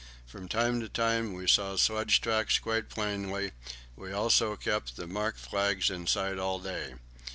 From time to time we saw sledge tracks quite plainly; we also kept the mark flags in sight all day.